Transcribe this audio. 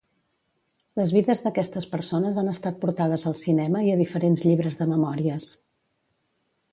Les vides d'aquestes persones han estat portades al cinema i a diferents llibres de memòries.